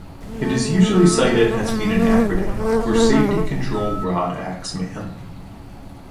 It is usually cited as being an acronym for safety control rod axe man.